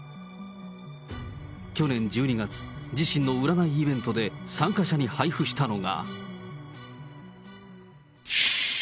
去年１２月、自身の占いイベントで参加者に配布したのが。